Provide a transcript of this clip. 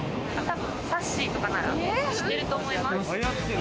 さっしーとかなら知ってると思います。